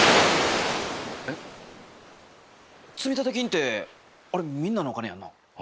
積立金ってあれみんなのお金やんな？